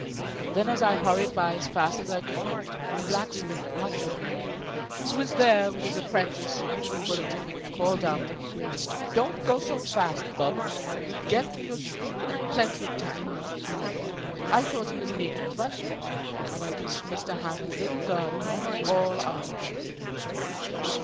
Then, as I hurried by as fast as I could go, the blacksmith, Wachter, who was there, with his apprentice, reading the bulletin, called after me: "Don't go so fast, bub; you'll get to your school in plenty of time!" I thought he was making fun of me, and reached M. Hamel's little garden all out of breath.